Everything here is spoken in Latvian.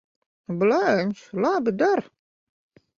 Blēņas! Labi der.